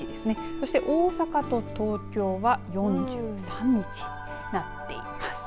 そして大阪と東京は４３日となっています。